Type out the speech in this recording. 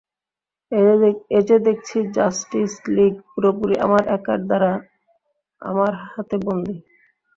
এ যে দেখছি Justice League, পুরোপুরি আমার একার দ্বারা, আমার হাতে বন্দি।